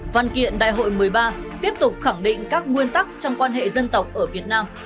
văn kiện đại hội một mươi ba tiếp tục khẳng định các nguyên tắc trong quan hệ dân tộc ở việt nam